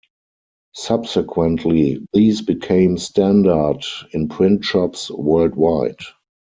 Subsequently, these became standard in print shops worldwide.